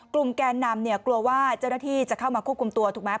แกนนำเนี่ยกลัวว่าเจ้าหน้าที่จะเข้ามาควบคุมตัวถูกไหม